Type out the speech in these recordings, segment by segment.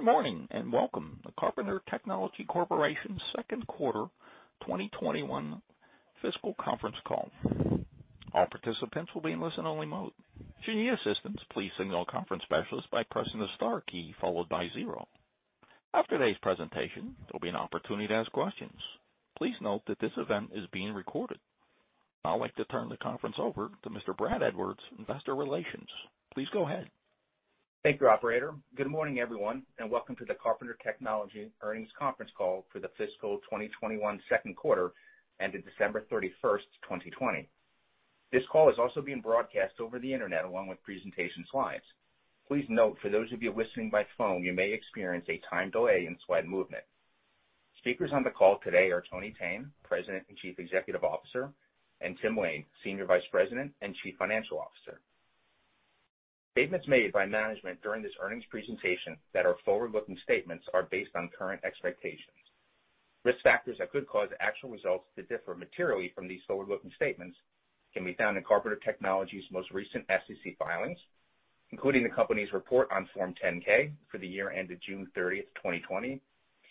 Good morning, and welcome to Carpenter Technology Corporation's second quarter 2021 fiscal conference call. All participants will be in listen-only mode. To ask assistance, please signal a conference specialist by pressing the star key followed by zero. After today's presentation, there'll be an opportunity to ask questions. Please note that this event is being recorded. I'd like to turn the conference over to Mr. Brad Edwards, investor relations. Please go ahead. Thank you, operator. Good morning, everyone, and welcome to the Carpenter Technology earnings conference call for the fiscal 2021 second quarter ended December 31st, 2020. This call is also being broadcast over the internet along with presentation slides. Please note for those of you listening by phone, you may experience a time delay in slide movement. Speakers on the call today are Tony Thene, President and Chief Executive Officer, and Tim Lain, Senior Vice President and Chief Financial Officer. Statements made by management during this earnings presentation that are forward-looking statements are based on current expectations. Risk factors that could cause actual results to differ materially from these forward-looking statements can be found in Carpenter Technology's most recent SEC filings, including the company's report on Form 10-K for the year ended June 30th, 2020,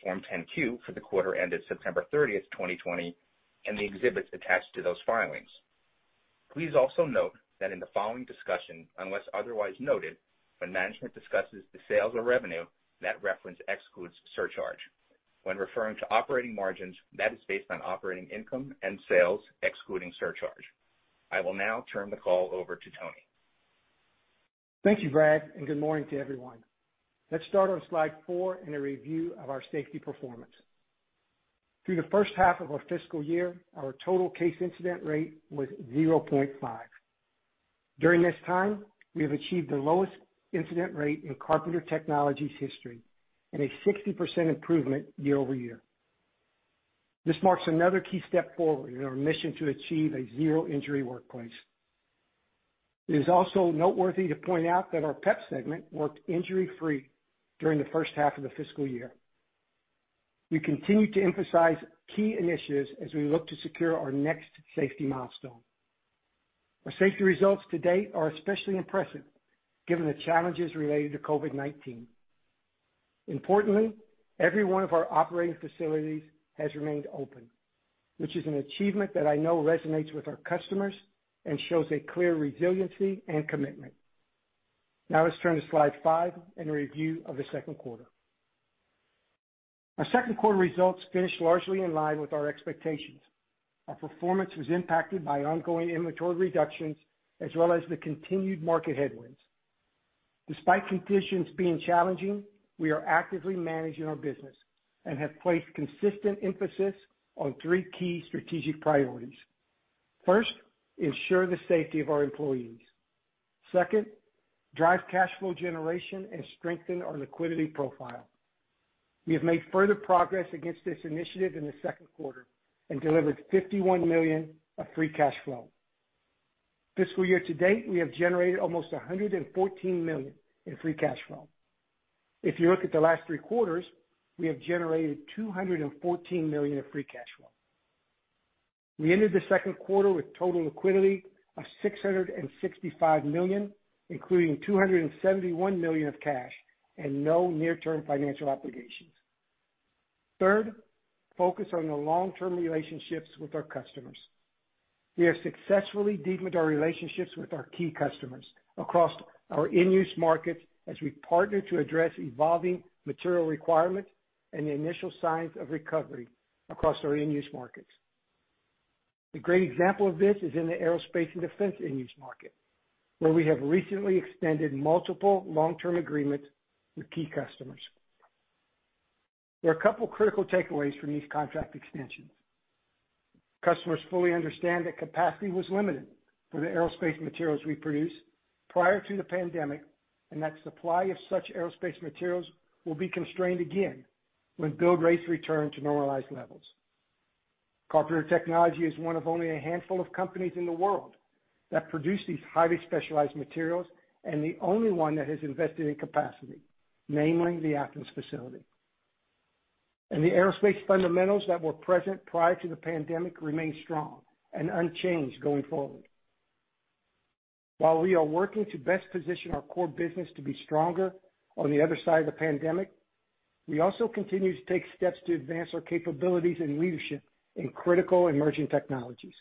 Form 10-Q for the quarter ended September 30th, 2020, and the exhibits attached to those filings. Please also note that in the following discussion, unless otherwise noted, when management discusses the sales or revenue, that reference excludes surcharge. When referring to operating margins, that is based on operating income and sales excluding surcharge. I will now turn the call over to Tony. Thank you, Brad, and good morning to everyone. Let's start on slide four in a review of our safety performance. Through the first half of our fiscal year, our total case incident rate was 0.5. During this time, we have achieved the lowest incident rate in Carpenter Technology's history and a 60% improvement year-over-year. This marks another key step forward in our mission to achieve a zero-injury workplace. It is also noteworthy to point out that our PEP segment worked injury-free during the first half of the fiscal year. We continue to emphasize key initiatives as we look to secure our next safety milestone. Our safety results to date are especially impressive given the challenges related to COVID-19. Importantly, every one of our operating facilities has remained open, which is an achievement that I know resonates with our customers and shows a clear resiliency and commitment. Now let's turn to slide five and a review of the second quarter. Our second quarter results finished largely in line with our expectations. Our performance was impacted by ongoing inventory reductions as well as the continued market headwinds. Despite conditions being challenging, we are actively managing our business and have placed consistent emphasis on three key strategic priorities. First, ensure the safety of our employees. Second, drive cash flow generation and strengthen our liquidity profile. We have made further progress against this initiative in the second quarter and delivered $51 million of free cash flow. Fiscal year to date, we have generated almost $114 million in free cash flow. If you look at the last three quarters, we have generated $214 million of free cash flow. We ended the second quarter with total liquidity of $665 million, including $271 million of cash and no near-term financial obligations. Third, focus on the long-term relationships with our customers. We have successfully deepened our relationships with our key customers across our end-use markets as we partner to address evolving material requirements and the initial signs of recovery across our end-use markets. A great example of this is in the aerospace and defense end-use market, where we have recently extended multiple long-term agreements with key customers. There are a couple of critical takeaways from these contract extensions. Customers fully understand that capacity was limited for the aerospace materials we produced prior to the pandemic, and that supply of such aerospace materials will be constrained again when build rates return to normalized levels. Carpenter Technology is one of only a handful of companies in the world that produce these highly specialized materials and the only one that has invested in capacity, namely the Athens facility. The aerospace fundamentals that were present prior to the pandemic remain strong and unchanged going forward. While we are working to best position our core business to be stronger on the other side of the pandemic, we also continue to take steps to advance our capabilities and leadership in critical emerging technologies.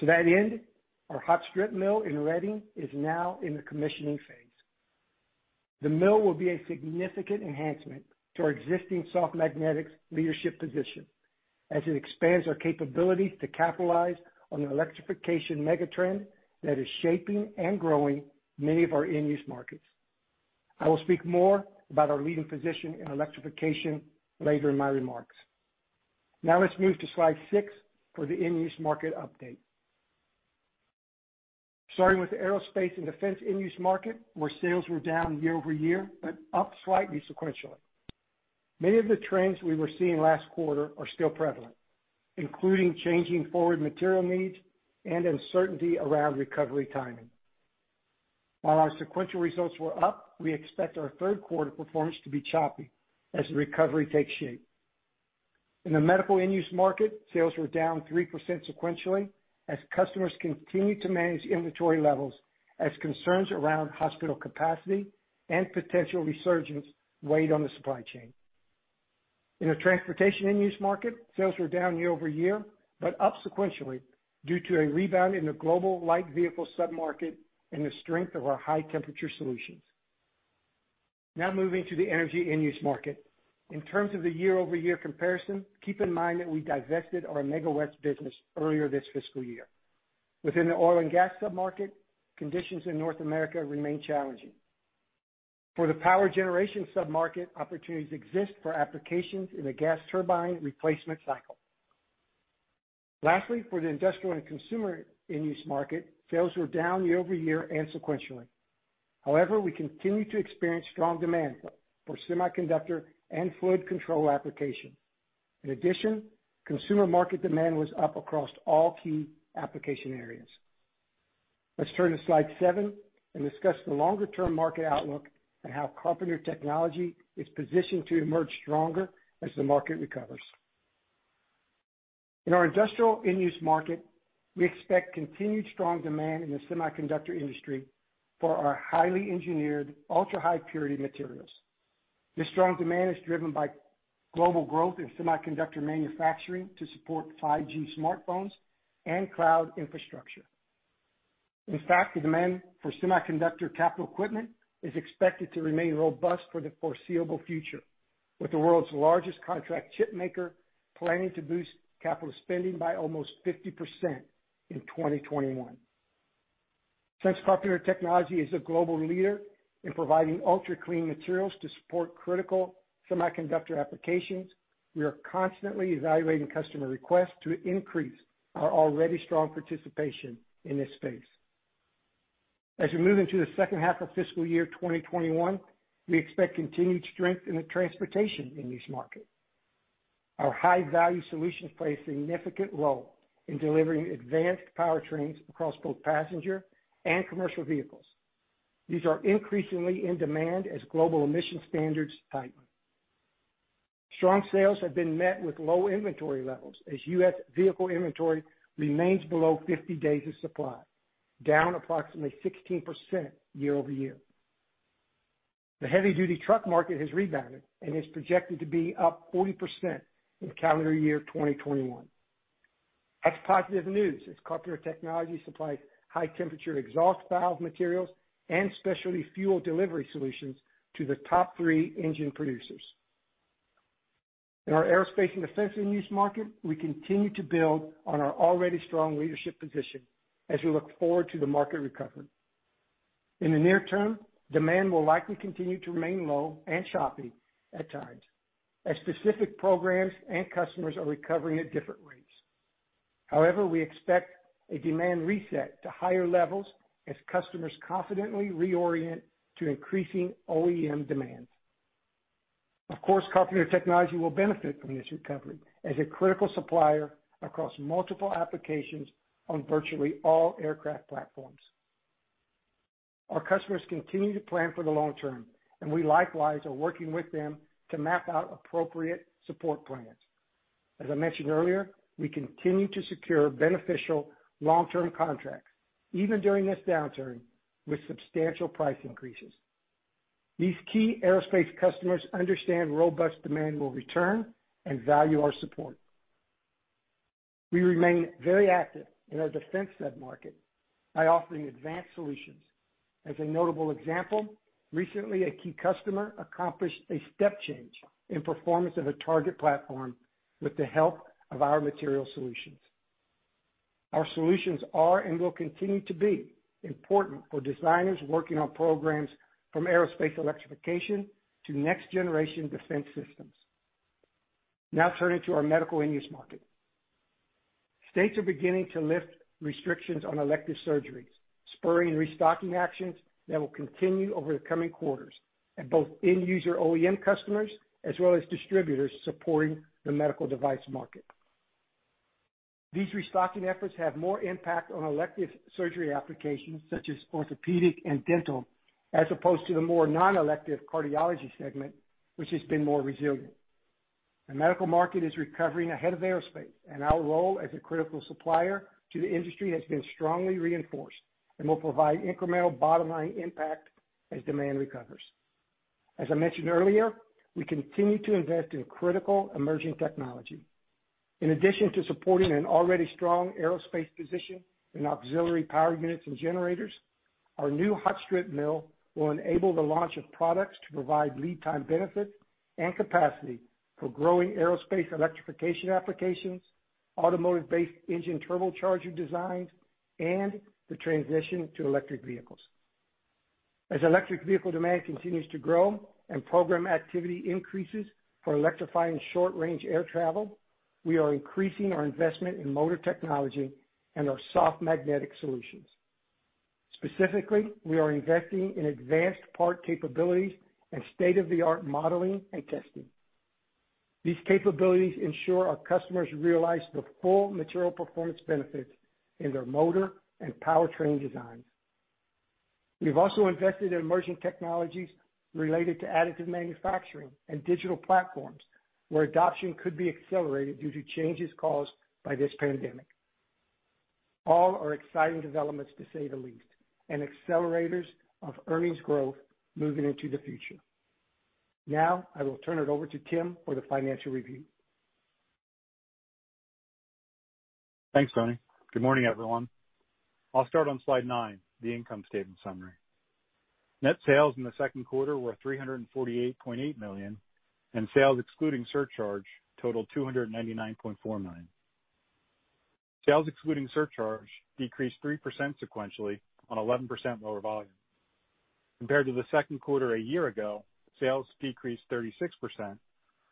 To that end, our hot-strip mill in Reading is now in the commissioning phase. The mill will be a significant enhancement to our existing soft magnetics leadership position as it expands our capabilities to capitalize on the electrification megatrend that is shaping and growing many of our end-use markets. I will speak more about our leading position in electrification later in my remarks. Now let's move to slide six for the end-use market update. Starting with aerospace and defense end-use market, where sales were down year-over-year, but up slightly sequentially. Many of the trends we were seeing last quarter are still prevalent, including changing forward material needs and uncertainty around recovery timing. While our sequential results were up, we expect our third quarter performance to be choppy as the recovery takes shape. In the medical end-use market, sales were down 3% sequentially as customers continued to manage inventory levels as concerns around hospital capacity and potential resurgence weighed on the supply chain. In the transportation end-use market, sales were down year-over-year, but up sequentially due to a rebound in the global light vehicle sub-market and the strength of our high-temperature solutions. Moving to the energy end-use market. In terms of the year-over-year comparison, keep in mind that we divested our Amega West business earlier this fiscal year. Within the oil and gas sub-market, conditions in North America remain challenging. For the power generation sub-market, opportunities exist for applications in the gas turbine replacement cycle. Lastly, for the industrial and consumer end-use market, sales were down year-over-year and sequentially. However, we continue to experience strong demand for semiconductor and fluid control application. In addition, consumer market demand was up across all key application areas. Let's turn to slide seven and discuss the longer-term market outlook and how Carpenter Technology is positioned to emerge stronger as the market recovers. In our industrial end-use market, we expect continued strong demand in the semiconductor industry for our highly engineered, ultra-high purity materials. This strong demand is driven by global growth in semiconductor manufacturing to support 5G smartphones and cloud infrastructure. In fact, the demand for semiconductor capital equipment is expected to remain robust for the foreseeable future with the world's largest contract chip maker planning to boost capital spending by almost 50% in 2021. Since Carpenter Technology is a global leader in providing ultra-high purity materials to support critical semiconductor applications, we are constantly evaluating customer requests to increase our already strong participation in this space. As we move into the second half of fiscal year 2021, we expect continued strength in the transportation end-use market. Our high-value solutions play a significant role in delivering advanced powertrains across both passenger and commercial vehicles. These are increasingly in demand as global emission standards tighten. Strong sales have been met with low inventory levels as U.S. vehicle inventory remains below 50 days of supply, down approximately 16% year-over-year. The heavy-duty truck market has rebounded and is projected to be up 40% in calendar year 2021. That's positive news, as Carpenter Technology supplies high-temperature exhaust valve materials and specialty fuel delivery solutions to the top three engine producers. In our aerospace and defense end-use market, we continue to build on our already strong leadership position as we look forward to the market recovery. In the near term, demand will likely continue to remain low and choppy at times, as specific programs and customers are recovering at different rates. However, we expect a demand reset to higher levels as customers confidently reorient to increasing OEM demand. Of course, Carpenter Technology will benefit from this recovery as a critical supplier across multiple applications on virtually all aircraft platforms. Our customers continue to plan for the long term, and we likewise are working with them to map out appropriate support plans. As I mentioned earlier, we continue to secure beneficial long-term contracts, even during this downturn, with substantial price increases. These key aerospace customers understand robust demand will return and value our support. We remain very active in our defense sub-market by offering advanced solutions. As a notable example, recently, a key customer accomplished a step change in performance of a target platform with the help of our material solutions. Our solutions are and will continue to be important for designers working on programs from aerospace electrification to next-generation defense systems. Now turning to our medical end-use market. States are beginning to lift restrictions on elective surgeries, spurring restocking actions that will continue over the coming quarters at both end-user OEM customers as well as distributors supporting the medical device market. These restocking efforts have more impact on elective surgery applications such as orthopedic and dental, as opposed to the more non-elective cardiology segment, which has been more resilient. The medical market is recovering ahead of aerospace, and our role as a critical supplier to the industry has been strongly reinforced and will provide incremental bottom-line impact as demand recovers. As I mentioned earlier, we continue to invest in critical emerging technology. In addition to supporting an already strong aerospace position in auxiliary power units and generators, our new hot-strip mill will enable the launch of products to provide lead time benefits and capacity for growing aerospace electrification applications, automotive-based engine turbocharger designs, and the transition to electric vehicles. As electric vehicle demand continues to grow and program activity increases for electrifying short-range air travel, we are increasing our investment in motor technology and our soft magnetic solutions. Specifically, we are investing in advanced part capabilities and state-of-the-art modeling and testing. These capabilities ensure our customers realize the full material performance benefits in their motor and powertrain designs. We've also invested in emerging technologies related to additive manufacturing and digital platforms, where adoption could be accelerated due to changes caused by this pandemic. All are exciting developments, to say the least, and accelerators of earnings growth moving into the future. I will turn it over to Tim for the financial review. Thanks, Tony. Good morning, everyone. I'll start on slide nine, the income statement summary. Net sales in the second quarter were $348.8 million, and sales excluding surcharge totaled $299.49 million. Sales excluding surcharge decreased 3% sequentially on 11% lower volume. Compared to the second quarter a year ago, sales decreased 36%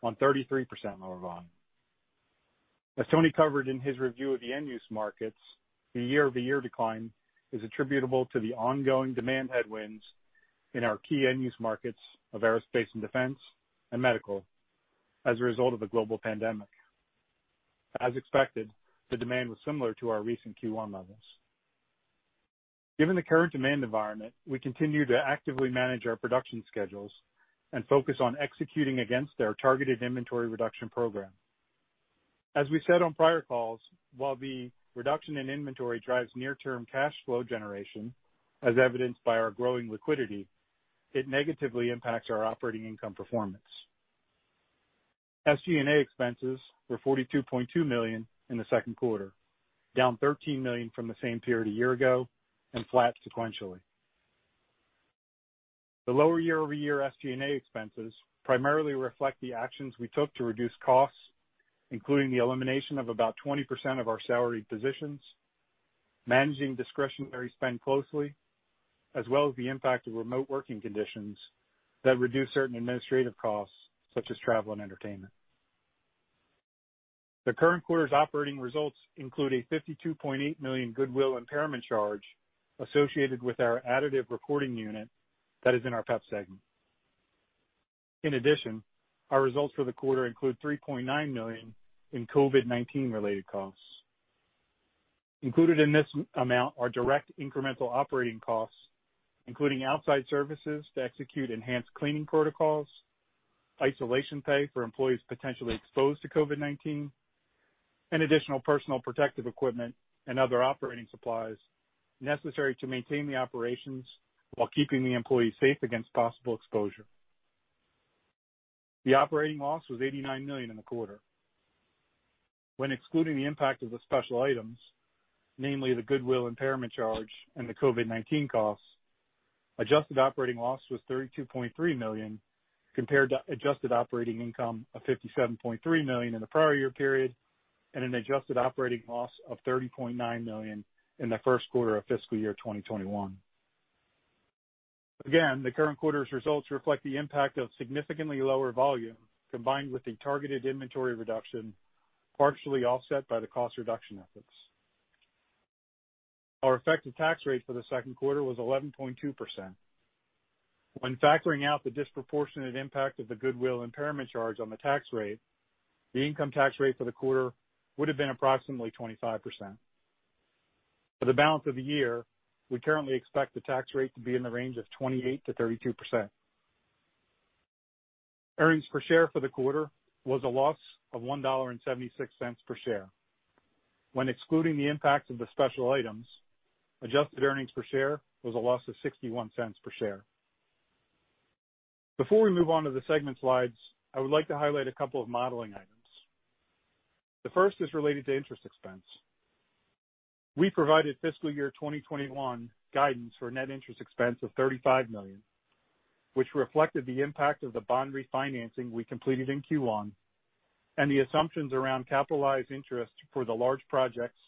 on 33% lower volume. As Tony covered in his review of the end-use markets, the year-over-year decline is attributable to the ongoing demand headwinds in our key end-use markets of aerospace and defense and medical as a result of the global pandemic. As expected, the demand was similar to our recent Q1 levels. Given the current demand environment, we continue to actively manage our production schedules and focus on executing against our targeted inventory reduction program. As we said on prior calls, while the reduction in inventory drives near-term cash flow generation, as evidenced by our growing liquidity, it negatively impacts our operating income performance. SG&A expenses were $42.2 million in the second quarter, down $13 million from the same period a year ago and flat sequentially. The lower year-over-year SG&A expenses primarily reflect the actions we took to reduce costs, including the elimination of about 20% of our salaried positions, managing discretionary spend closely, as well as the impact of remote working conditions that reduce certain administrative costs such as travel and entertainment. The current quarter's operating results include a $52.8 million goodwill impairment charge associated with our additive reporting unit that is in our PEP segment. In addition, our results for the quarter include $3.9 million in COVID-19 related costs. Included in this amount are direct incremental operating costs, including outside services to execute enhanced cleaning protocols, isolation pay for employees potentially exposed to COVID-19, and additional personal protective equipment and other operating supplies necessary to maintain the operations while keeping the employees safe against possible exposure. The operating loss was $89 million in the quarter. When excluding the impact of the special items, namely the goodwill impairment charge and the COVID-19 costs, adjusted operating loss was $32.3 million, compared to adjusted operating income of $57.3 million in the prior year period and an adjusted operating loss of $30.9 million in the first quarter of fiscal year 2021. The current quarter's results reflect the impact of significantly lower volume, combined with a targeted inventory reduction, partially offset by the cost reduction efforts. Our effective tax rate for the second quarter was 11.2%. When factoring out the disproportionate impact of the goodwill impairment charge on the tax rate, the income tax rate for the quarter would have been approximately 25%. For the balance of the year, we currently expect the tax rate to be in the range of 28%-32%. Earnings per share for the quarter was a loss of $1.76 per share. When excluding the impact of the special items, adjusted earnings per share was a loss of $0.61 per share. Before we move on to the segment slides, I would like to highlight a couple of modeling items. The first is related to interest expense. We provided fiscal year 2021 guidance for net interest expense of $35 million, which reflected the impact of the bond refinancing we completed in Q1 and the assumptions around capitalized interest for the large projects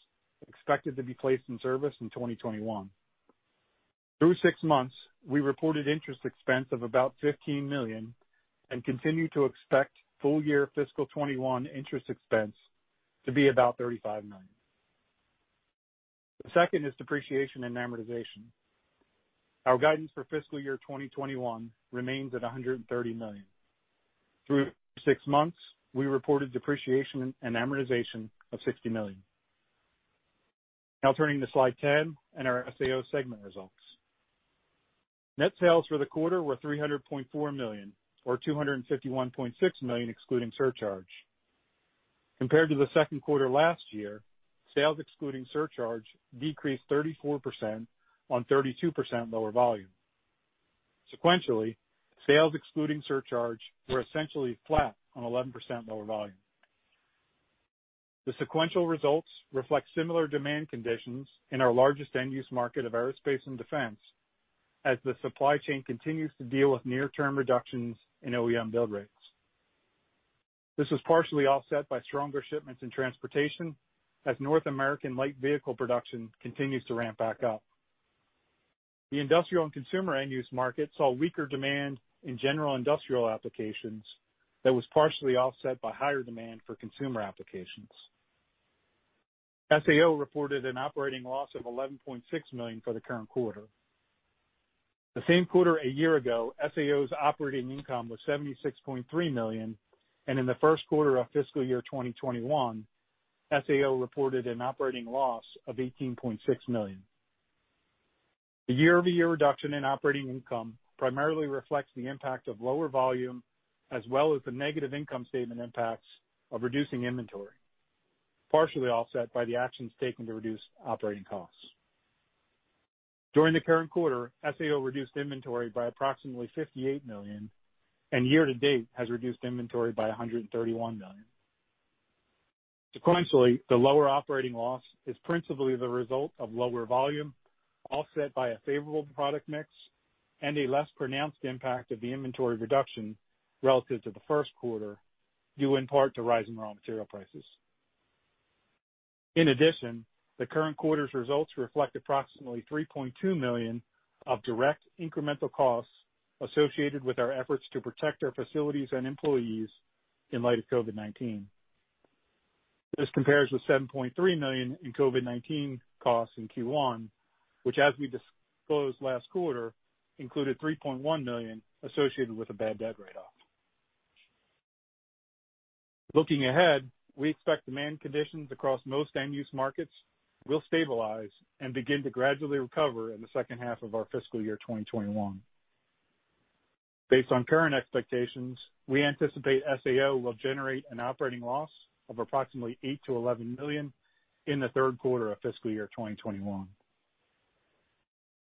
expected to be placed in service in 2021. Through six months, we reported interest expense of about $15 million and continue to expect full year fiscal 2021 interest expense to be about $35 million. The second is depreciation and amortization. Our guidance for fiscal year 2021 remains at $130 million. Through six months, we reported depreciation and amortization of $60 million. Turning to slide 10 and our SAO segment results. Net sales for the quarter were $300.4 million, or $251.6 million excluding surcharge. Compared to the second quarter last year, sales excluding surcharge decreased 34% on 32% lower volume. Sequentially, sales excluding surcharge were essentially flat on 11% lower volume. The sequential results reflect similar demand conditions in our largest end-use market of aerospace and defense as the supply chain continues to deal with near-term reductions in OEM build rates. This was partially offset by stronger shipments in transportation as North American light vehicle production continues to ramp back up. The industrial and consumer end-use market saw weaker demand in general industrial applications that was partially offset by higher demand for consumer applications. SAO reported an operating loss of $11.6 million for the current quarter. The same quarter a year ago, SAO's operating income was $76.3 million, and in the first quarter of FY 2021 SAO reported an operating loss of $18.6 million. The year-over-year reduction in operating income primarily reflects the impact of lower volume, as well as the negative income statement impacts of reducing inventory, partially offset by the actions taken to reduce operating costs. During the current quarter, SAO reduced inventory by approximately $58 million, and year-to-date has reduced inventory by $131 million. Sequentially, the lower operating loss is principally the result of lower volume, offset by a favorable product mix and a less pronounced impact of the inventory reduction relative to the first quarter, due in part to rising raw material prices. In addition, the current quarter's results reflect approximately $3.2 million of direct incremental costs associated with our efforts to protect our facilities and employees in light of COVID-19. This compares with $7.3 million in COVID-19 costs in Q1, which, as we disclosed last quarter, included $3.1 million associated with a bad debt write-off. Looking ahead, we expect demand conditions across most end-use markets will stabilize and begin to gradually recover in the second half of our fiscal year 2021. Based on current expectations, we anticipate SAO will generate an operating loss of approximately $8 million-$11 million in the third quarter of fiscal year 2021.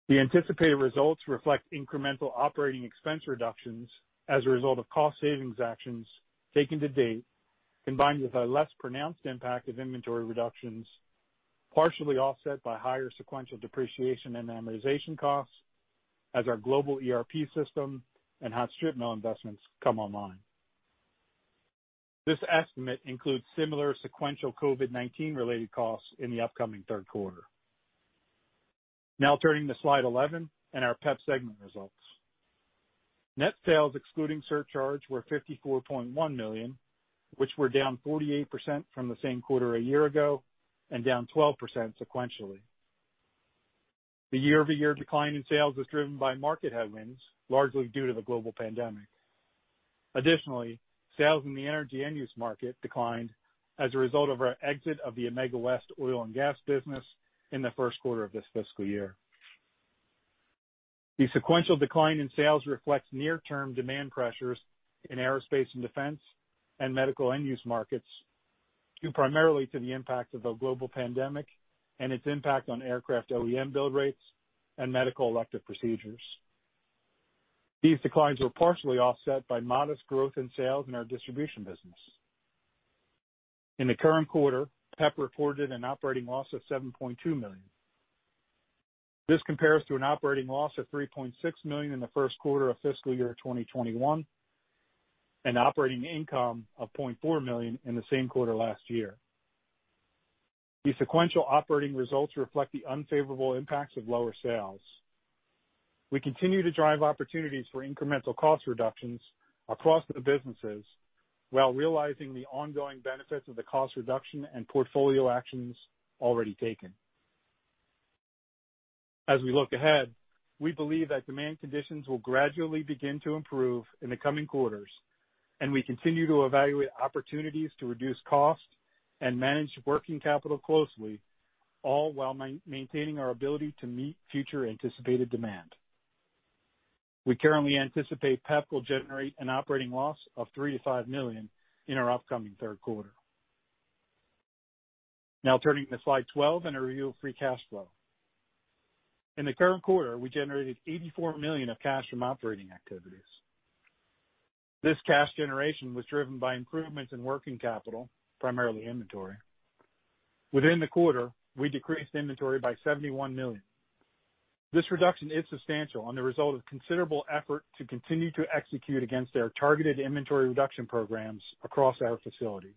The anticipated results reflect incremental operating expense reductions as a result of cost savings actions taken to date, combined with a less pronounced impact of inventory reductions, partially offset by higher sequential depreciation and amortization costs as our global ERP system and hot strip mill investments come online. This estimate includes similar sequential COVID-19 related costs in the upcoming third quarter. Turning to slide 11 and our PEP segment results. Net sales excluding surcharge were $54.1 million, which were down 48% from the same quarter a year ago and down 12% sequentially. The year-over-year decline in sales was driven by market headwinds, largely due to the global pandemic. Additionally, sales in the energy end-use market declined as a result of our exit of the Amega West oil and gas business in the first quarter of this fiscal year. The sequential decline in sales reflects near-term demand pressures in aerospace and defense and medical end-use markets, due primarily to the impact of the global pandemic and its impact on aircraft OEM build rates and medical elective procedures. These declines were partially offset by modest growth in sales in our distribution business. In the current quarter, PEP reported an operating loss of $7.2 million. This compares to an operating loss of $3.6 million in the first quarter of fiscal year 2021 and operating income of $0.4 million in the same quarter last year. The sequential operating results reflect the unfavorable impacts of lower sales. We continue to drive opportunities for incremental cost reductions across the businesses while realizing the ongoing benefits of the cost reduction and portfolio actions already taken. As we look ahead, we believe that demand conditions will gradually begin to improve in the coming quarters, and we continue to evaluate opportunities to reduce cost and manage working capital closely, all while maintaining our ability to meet future anticipated demand. We currently anticipate PEP will generate an operating loss of $3 million-$5 million in our upcoming third quarter. Now turning to slide 12 and a review of free cash flow. In the current quarter, we generated $84 million of cash from operating activities. This cash generation was driven by improvements in working capital, primarily inventory. Within the quarter, we decreased inventory by $71 million. This reduction is substantial and the result of considerable effort to continue to execute against our targeted inventory reduction programs across our facilities.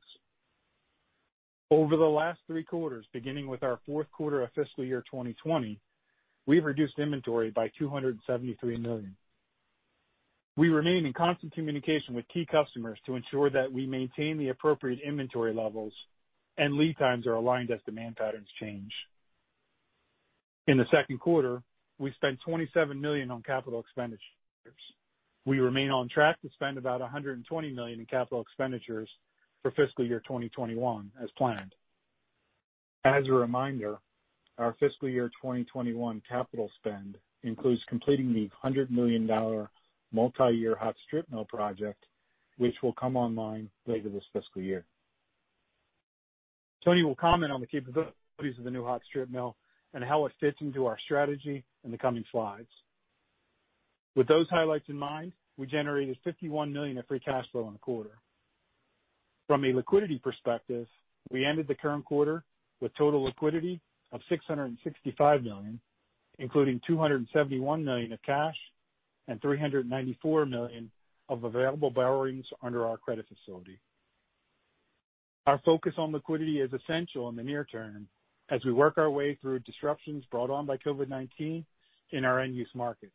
Over the last three quarters, beginning with our fourth quarter of fiscal year 2020, we've reduced inventory by $273 million. We remain in constant communication with key customers to ensure that we maintain the appropriate inventory levels and lead times are aligned as demand patterns change. In the second quarter, we spent $27 million on capital expenditures. We remain on track to spend about $120 million in capital expenditures for fiscal year 2021 as planned. As a reminder, our fiscal year 2021 capital spend includes completing the $100 million multi-year hot strip mill project, which will come online later this fiscal year. Tony will comment on the capabilities of the new hot strip mill and how it fits into our strategy in the coming slides. With those highlights in mind, we generated $51 million of free cash flow in the quarter. From a liquidity perspective, we ended the current quarter with total liquidity of $665 million, including $271 million of cash and $394 million of available borrowings under our credit facility. Our focus on liquidity is essential in the near term as we work our way through disruptions brought on by COVID-19 in our end-use markets.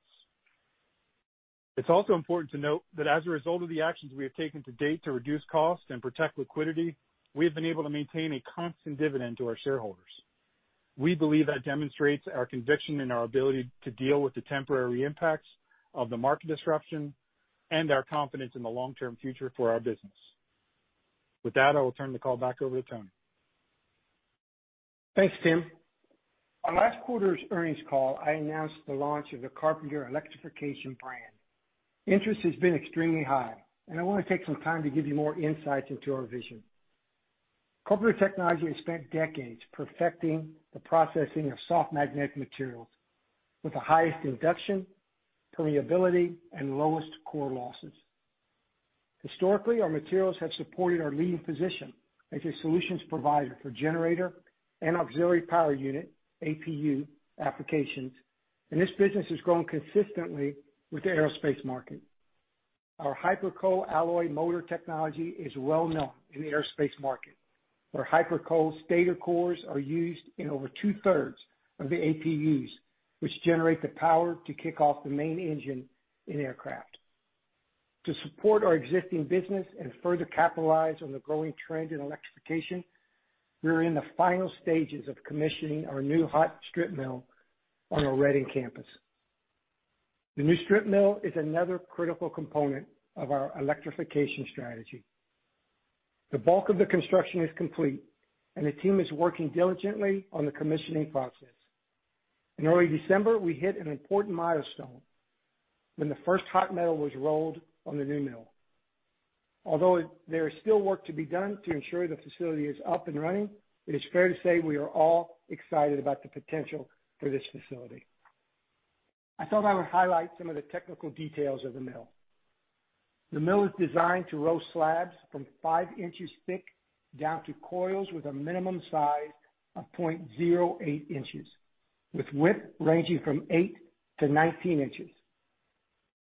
It's also important to note that as a result of the actions we have taken to date to reduce costs and protect liquidity, we have been able to maintain a constant dividend to our shareholders. We believe that demonstrates our conviction and our ability to deal with the temporary impacts of the market disruption and our confidence in the long-term future for our business. With that, I will turn the call back over to Tony. Thanks, Tim. On last quarter's earnings call, I announced the launch of the Carpenter Electrification brand. Interest has been extremely high, and I want to take some time to give you more insights into our vision. Carpenter Technology has spent decades perfecting the processing of soft magnetic materials with the highest induction, permeability, and lowest core losses. Historically, our materials have supported our leading position as a solutions provider for generator and auxiliary power unit, APU, applications, and this business has grown consistently with the aerospace market. Our Hiperco alloy motor technology is well-known in the aerospace market, where Hiperco stator cores are used in over 2/3 of the APUs, which generate the power to kick off the main engine in aircraft. To support our existing business and further capitalize on the growing trend in electrification, we are in the final stages of commissioning our new hot strip mill on our Reading campus. The new strip mill is another critical component of our electrification strategy. The bulk of the construction is complete and the team is working diligently on the commissioning process. In early December, we hit an important milestone when the first hot metal was rolled on the new mill. Although there is still work to be done to ensure the facility is up and running, it is fair to say we are all excited about the potential for this facility. I thought I would highlight some of the technical details of the mill. The mill is designed to roll slabs from 5 inches thick down to coils with a minimum size of 0.08 inches, with width ranging from 8 inches-19 inches.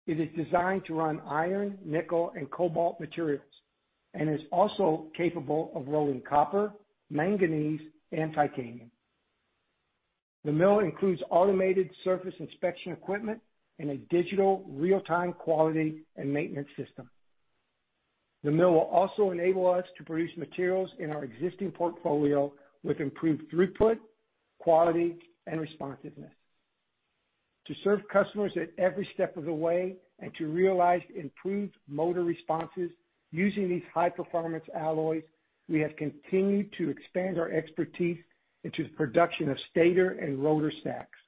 It is designed to run iron, nickel, and cobalt materials and is also capable of rolling copper, manganese, and titanium. The mill includes automated surface inspection equipment and a digital real-time quality and maintenance system. The mill will also enable us to produce materials in our existing portfolio with improved throughput, quality, and responsiveness. To serve customers at every step of the way and to realize improved motor responses using these high-performance alloys, we have continued to expand our expertise into the production of stator and rotor stacks.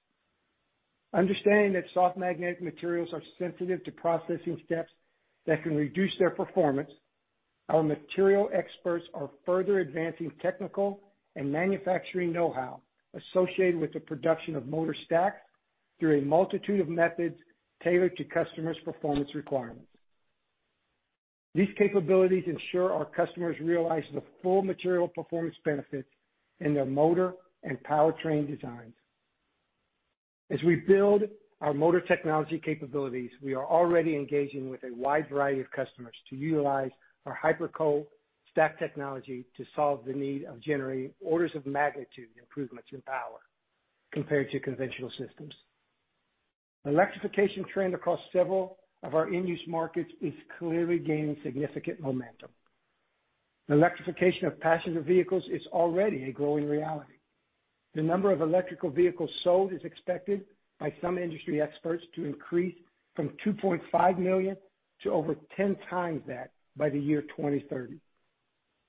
Understanding that soft magnetic materials are sensitive to processing steps that can reduce their performance, our material experts are further advancing technical and manufacturing know-how associated with the production of motor stacks through a multitude of methods tailored to customers' performance requirements. These capabilities ensure our customers realize the full material performance benefits in their motor and powertrain designs. As we build our motor technology capabilities, we are already engaging with a wide variety of customers to utilize our Hiperco stack technology to solve the need of generating orders of magnitude improvements in power compared to conventional systems. The electrification trend across several of our end-use markets is clearly gaining significant momentum. The electrification of passenger vehicles is already a growing reality. The number of electrical vehicles sold is expected by some industry experts to increase from 2.5 million to over 10x that by the year 2030.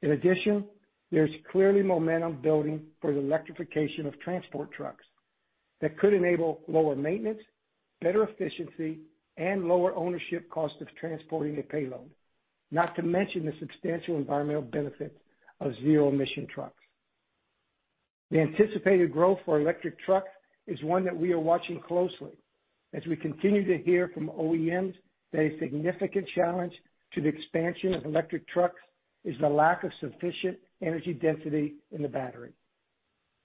In addition, there's clearly momentum building for the electrification of transport trucks that could enable lower maintenance, better efficiency, and lower ownership cost of transporting a payload, not to mention the substantial environmental benefits of zero-emission trucks. The anticipated growth for electric trucks is one that we are watching closely as we continue to hear from OEMs that a significant challenge to the expansion of electric trucks is the lack of sufficient energy density in the battery.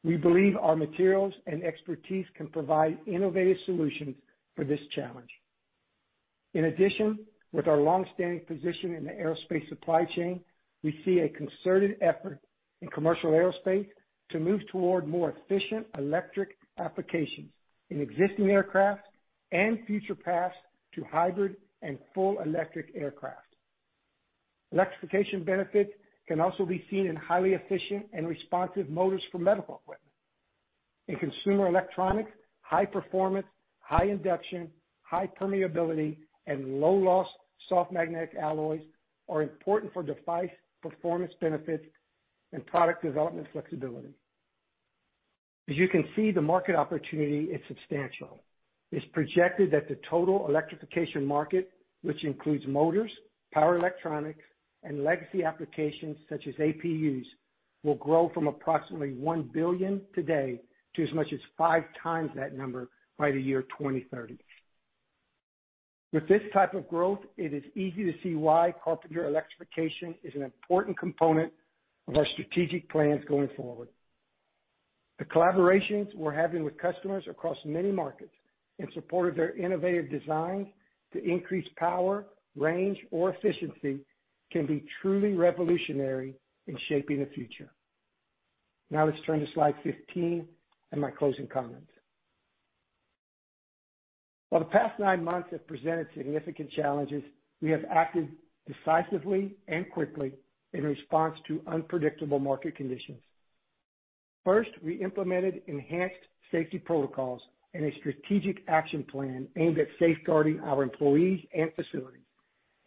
We believe our materials and expertise can provide innovative solutions for this challenge. In addition, with our longstanding position in the aerospace supply chain, we see a concerted effort in commercial aerospace to move toward more efficient electric applications in existing aircraft and future paths to hybrid and full electric aircraft. Electrification benefits can also be seen in highly efficient and responsive motors for medical equipment. In consumer electronics, high performance, high induction, high permeability, and low-loss soft magnetic alloys are important for device performance benefits and product development flexibility. As you can see, the market opportunity is substantial. It's projected that the total electrification market, which includes motors, power electronics, and legacy applications such as APUs, will grow from approximately $1 billion today to as much as five times that number by the year 2030. With this type of growth, it is easy to see why Carpenter Electrification is an important component of our strategic plans going forward. The collaborations we're having with customers across many markets in support of their innovative designs to increase power, range, or efficiency can be truly revolutionary in shaping the future. Let's turn to slide 15 and my closing comments. While the past nine months have presented significant challenges, we have acted decisively and quickly in response to unpredictable market conditions. First, we implemented enhanced safety protocols and a strategic action plan aimed at safeguarding our employees and facilities,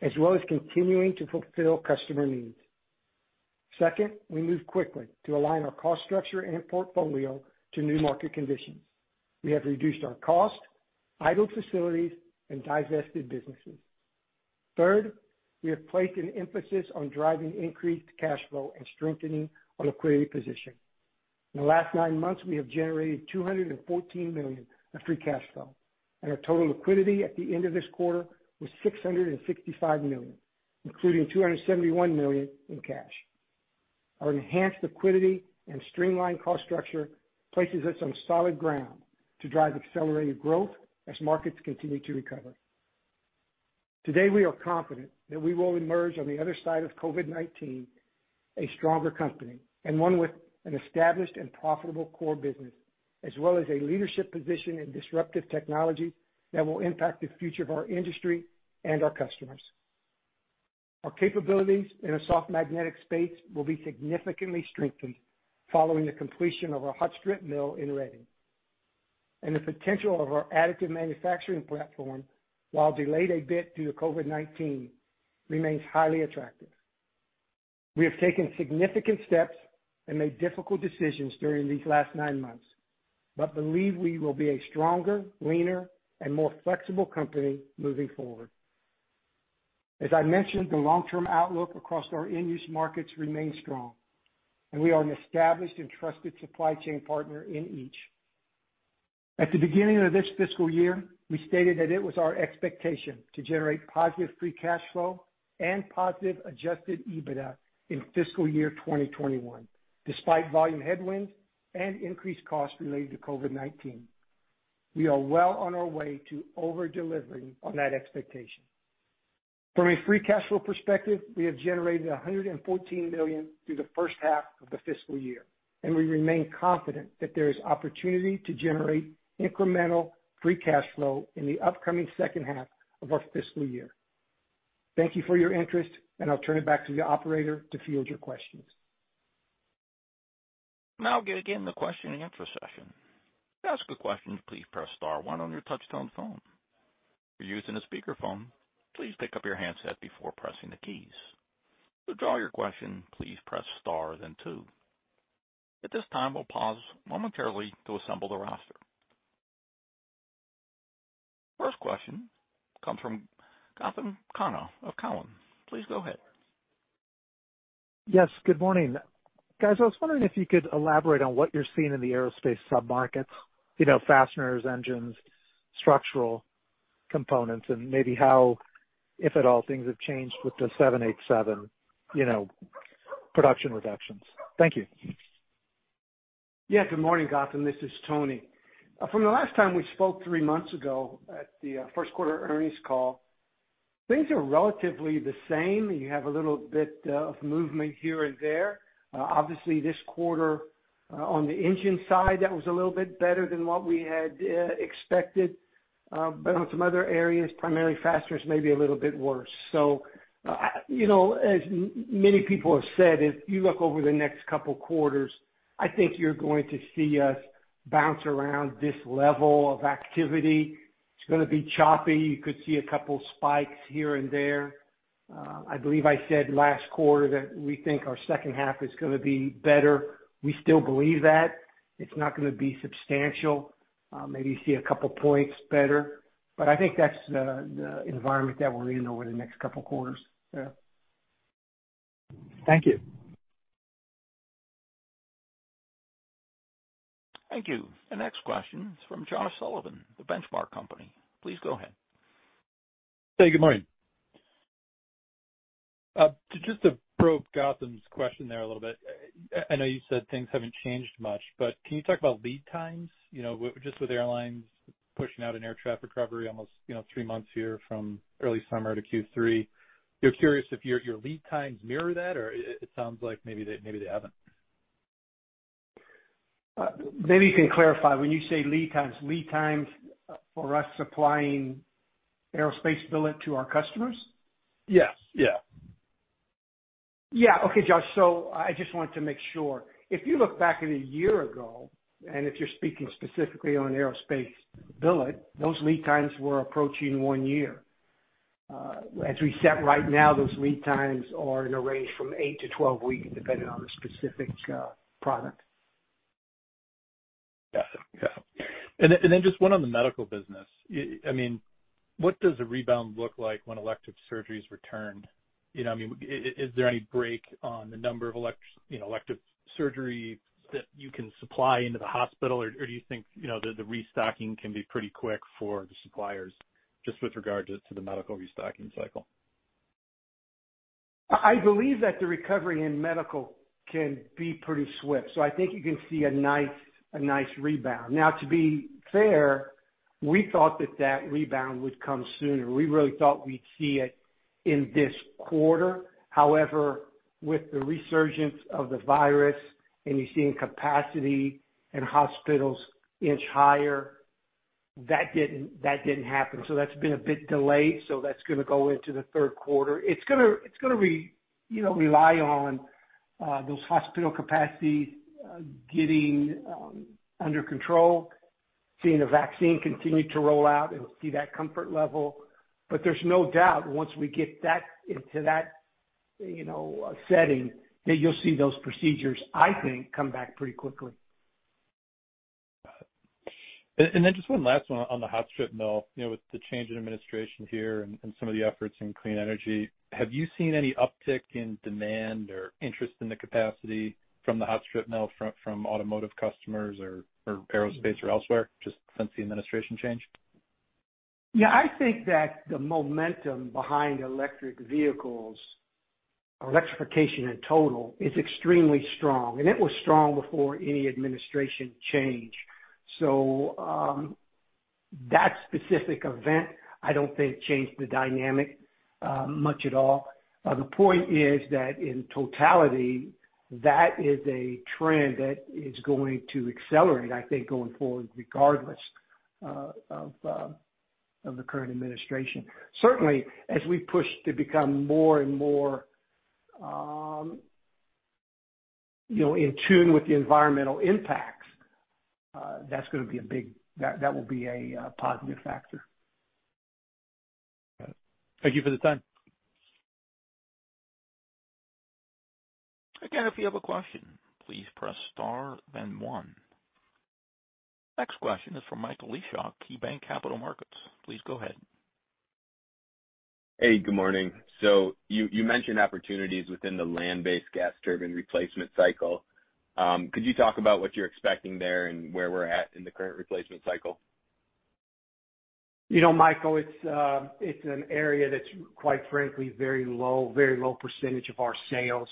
as well as continuing to fulfill customer needs. Second, we moved quickly to align our cost structure and portfolio to new market conditions. We have reduced our cost, idled facilities, and divested businesses. Third, we have placed an emphasis on driving increased cash flow and strengthening our liquidity position. In the last nine months, we have generated $214 million of free cash flow, and our total liquidity at the end of this quarter was $665 million, including $271 million in cash. Our enhanced liquidity and streamlined cost structure places us on solid ground to drive accelerated growth as markets continue to recover. Today, we are confident that we will emerge on the other side of COVID-19 a stronger company, and one with an established and profitable core business, as well as a leadership position in disruptive technology that will impact the future of our industry and our customers. Our capabilities in a soft magnetic space will be significantly strengthened following the completion of our hot-strip mill in Reading. The potential of our additive manufacturing platform, while delayed a bit due to COVID-19, remains highly attractive. We have taken significant steps and made difficult decisions during these last nine months, but believe we will be a stronger, leaner, and more flexible company moving forward. As I mentioned, the long-term outlook across our end-use markets remains strong, and we are an established and trusted supply chain partner in each. At the beginning of this fiscal year, we stated that it was our expectation to generate positive free cash flow and positive adjusted EBITDA in fiscal year 2021, despite volume headwinds and increased costs related to COVID-19. We are well on our way to over-delivering on that expectation. From a free cash flow perspective, we have generated $114 million through the first half of the fiscal year, and we remain confident that there is opportunity to generate incremental free cash flow in the upcoming second half of our fiscal year. Thank you for your interest, and I'll turn it back to the operator to field your questions. Now we begin the question and answer session. To ask a question, please press star one on your touch-tone phone. If you're using a speakerphone, please pick up your handset before pressing the keys. To withdraw your question, please press star, then two. At this time, we'll pause momentarily to assemble the roster. First question comes from Gautam Khanna of Cowen. Please go ahead. Yes, good morning. Guys, I was wondering if you could elaborate on what you're seeing in the aerospace sub-markets, fasteners, engines, structural components, maybe how, if at all, things have changed with the 787 production reductions? Thank you. Good morning, Gautam. This is Tony. From the last time we spoke three months ago at the first quarter earnings call, things are relatively the same. You have a little bit of movement here and there. Obviously, this quarter, on the engine side, that was a little bit better than what we had expected. On some other areas, primarily fasteners, maybe a little bit worse. As many people have said, if you look over the next couple of quarters, I think you're going to see us bounce around this level of activity. It's going to be choppy. You could see a couple spikes here and there. I believe I said last quarter that we think our second half is going to be better. We still believe that. It's not going to be substantial. Maybe you see a couple of points better. I think that's the environment that we're in over the next couple of quarters. Yeah. Thank you. Thank you. The next question is from Josh Sullivan, The Benchmark Company. Please go ahead. Hey, good morning. Just to probe Gautam's question there a little bit. I know you said things haven't changed much, can you talk about lead times? Just with airlines pushing out an air traffic recovery almost three months here from early summer to Q3. You're curious if your lead times mirror that? It sounds like maybe they haven't. Maybe you can clarify. When you say lead times, lead times for us supplying aerospace billet to our customers? Yes. Yeah. Okay, Josh. I just wanted to make sure. If you look back at a year ago, and if you're speaking specifically on aerospace billet, those lead times were approaching one year. As we sit right now, those lead times are in a range from eight to 12 weeks, depending on the specific product. Got it. Yeah. Just one on the medical business. What does a rebound look like when elective surgeries return? Is there any break on the number of elective surgeries that you can supply into the hospital? Do you think the restocking can be pretty quick for the suppliers, just with regard to the medical restocking cycle? I believe that the recovery in medical can be pretty swift, I think you can see a nice rebound. To be fair, we thought that that rebound would come sooner. We really thought we'd see it, in this quarter, however, with the resurgence of the virus, and you're seeing capacity and hospitals inch higher, that didn't happen. That's been a bit delayed, so that's going to go into the third quarter. It's going to rely on those hospital capacities getting under control, seeing a vaccine continue to roll out, and we'll see that comfort level. There's no doubt once we get into that setting, that you'll see those procedures, I think, come back pretty quickly. Got it. Just one last one on the hot-strip mill. With the change in administration here and some of the efforts in clean energy, have you seen any uptick in demand or interest in the capacity from the hot-strip mill from automotive customers or aerospace or elsewhere, just since the administration change? I think that the momentum behind electric vehicles or electrification in total is extremely strong. It was strong before any administration change. That specific event, I don't think changed the dynamic much at all. The point is that in totality, that is a trend that is going to accelerate, I think, going forward regardless of the current administration. As we push to become more and more in tune with the environmental impacts, that will be a positive factor. Got it. Thank you for the time. If you have a question, please press star then one. Next question is from Michael Leshock, KeyBanc Capital Markets. Please go ahead. Hey, good morning. You mentioned opportunities within the land-based gas turbine replacement cycle. Could you talk about what you're expecting there and where we're at in the current replacement cycle? Michael, it's an area that's quite frankly, very low percentage of our sales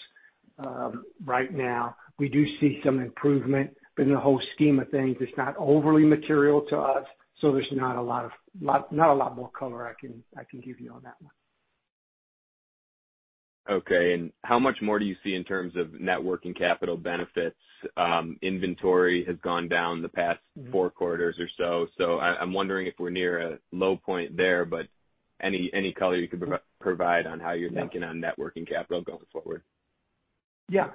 right now. We do see some improvement, but in the whole scheme of things, it's not overly material to us, so there's not a lot more color I can give you on that one. Okay. How much more do you see in terms of net working capital benefits? Inventory has gone down the past four quarters or so. I'm wondering if we're near a low point there, but any color you could provide on how you're thinking on net working capital going forward? Yeah.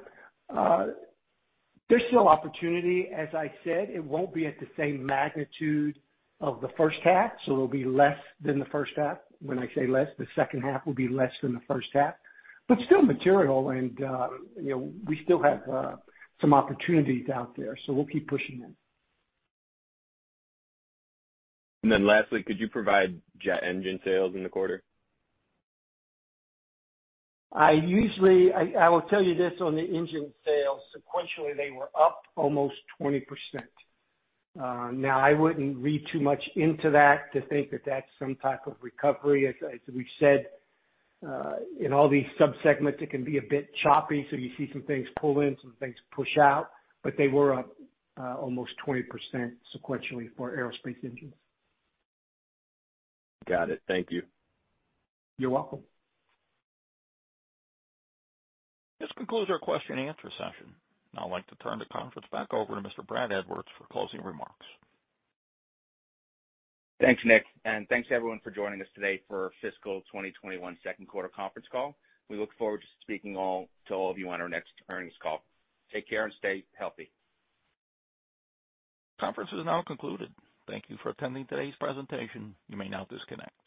There's still opportunity. As I said, it won't be at the same magnitude of the first half. It'll be less than the first half. When I say less, the second half will be less than the first half. Still material and we still have some opportunities out there. We'll keep pushing them. Lastly, could you provide jet engine sales in the quarter? I will tell you this on the engine sales. Sequentially, they were up almost 20%. Now, I wouldn't read too much into that to think that that's some type of recovery. As we've said, in all these sub-segments, it can be a bit choppy, so you see some things pull in, some things push out. But they were up almost 20% sequentially for aerospace engines. Got it. Thank you. You're welcome. This concludes our question and answer session. I'd like to turn the conference back over to Mr. Brad Edwards for closing remarks. Thanks, Nick, and thanks everyone for joining us today for our fiscal 2021 second quarter conference call. We look forward to speaking to all of you on our next earnings call. Take care and stay healthy. Conference is now concluded. Thank you for attending today's presentation. You may now disconnect.